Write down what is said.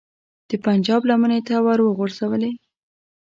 د پنجاب لمنې ته وروغورځولې.